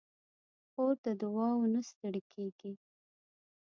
خور د دعاوو نه ستړې کېږي.